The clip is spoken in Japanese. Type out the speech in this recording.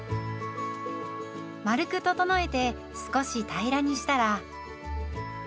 丸く整えて少し平らにしたら。